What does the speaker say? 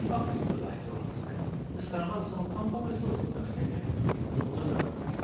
ですからまずそのタンパク質を作らなくちゃいけないということになるわけです。